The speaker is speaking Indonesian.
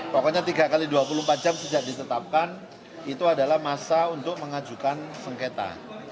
pokoknya tiga x dua puluh empat jam sejak ditetapkan itu adalah masa untuk mengajukan sengketa